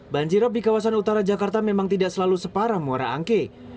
banjirop di kawasan utara jakarta memang tidak selalu separah muara angke